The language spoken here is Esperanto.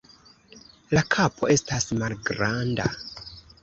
La kapo estas malgranda.